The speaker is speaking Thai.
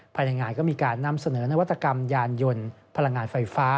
ภายในงานก็มีการนำเสนอนวัตกรรมยานยนต์พลังงานไฟฟ้า